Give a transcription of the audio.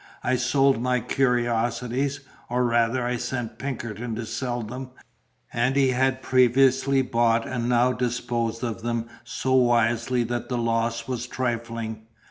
I sold my curiosities, or rather I sent Pinkerton to sell them; and he had previously bought and now disposed of them so wisely that the loss was trifling.